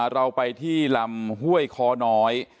เราไปที่ลำห้วยคอน้อย